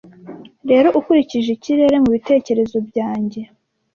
rero ukurikije ikirere mubitekerezo byanjye